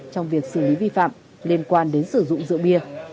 trong việc xử lý vi phạm liên quan đến sử dụng rượu bia